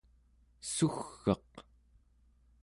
sugg'eq